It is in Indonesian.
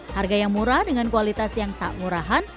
harga yang murah dengan kualitas yang tak murahan